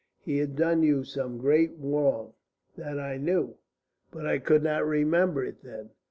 He had done you some great wrong. That I know; that I knew. But I could not remember it then.